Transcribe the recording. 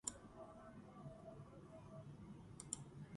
მასა სხვადასხვა პუნქტში სხვადასხვა იყო.